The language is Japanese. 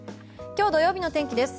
今日土曜日の天気です。